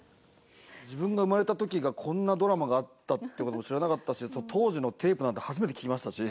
自分が生まれた時がこんなドラマがあったって事も知らなかったし当時のテープなんて初めて聞きましたし。